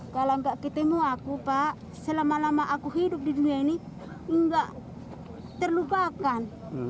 kalau gak ketemu aku pak selama lama aku hidup di dunia ini gak terluka akan